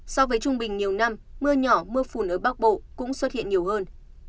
so với trung bình nhiều năm mưa nhỏ mưa phùn ở bắc bộ cũng xuất hiện nhiều hơn